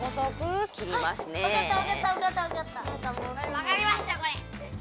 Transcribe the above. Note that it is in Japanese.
わかりましたこれ。